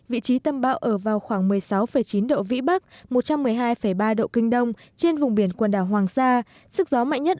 vị trí tâm bão ở vào khoảng một mươi sáu chín độ vĩ bắc một trăm một mươi hai ba độ kinh đông trên vùng biển quần đảo hoàng sa sức gió mạnh nhất